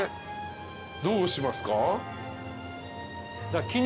どうしますか？